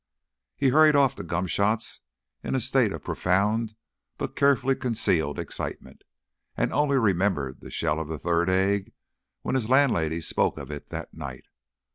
He hurried off to Gomshott's in a state of profound but carefully concealed excitement, and only remembered the shell of the third egg when his landlady spoke of it that night.